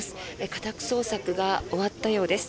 家宅捜索が終わったようです。